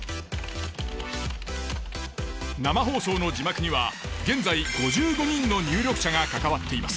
生放送の字幕には現在５５人の入力者が関わっています。